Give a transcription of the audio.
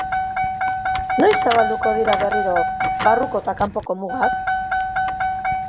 Noiz zabalduko dira berriro barruko eta kanpoko mugak?